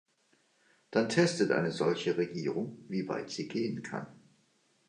Dann testet eine solche Regierung, wie weit sie gehen kann.